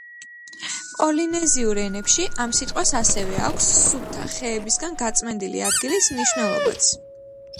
პოლინეზიურ ენებში ამ სიტყვას ასევე აქვს: სუფთა, ხეებისგან გაწმენდილი ადგილის მნიშვნელობაც.